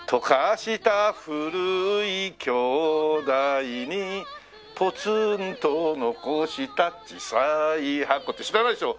した古いきょうだいにぽつんと残した小さい箱」って知らないでしょ？